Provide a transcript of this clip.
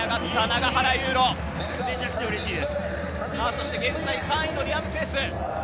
そして現在３位のリアム・ペース。